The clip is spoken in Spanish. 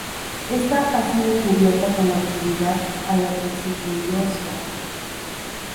Ésta ha sido cubierta con la Oscuridad a la que sucumbió Sora.